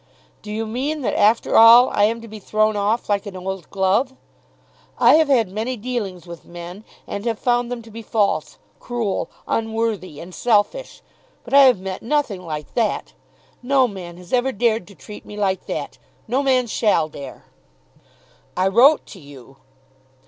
"Do you mean that, after all, I am to be thrown off like an old glove? I have had many dealings with men and have found them to be false, cruel, unworthy, and selfish. But I have met nothing like that. No man has ever dared to treat me like that. No man shall dare." "I wrote to you."